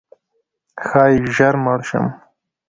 ښایي ژر مړ شم؛